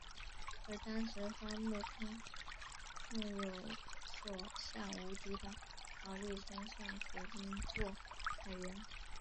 而当时荒木村重有所向无敌的毛利村上水军作海援。